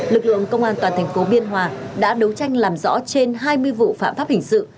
lực lượng công an toàn thành phố biên hòa đã đấu tranh làm rõ trên hai mươi vụ phạm pháp hình sự